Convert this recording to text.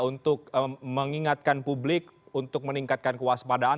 untuk mengingatkan publik untuk meningkatkan kewaspadaan